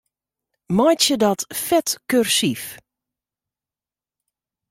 Meitsje dat fet kursyf.